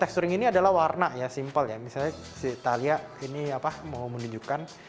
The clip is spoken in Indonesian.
texturing ini adalah warna ya simpel ya misalnya si i thalia ini apa mau menunjukkan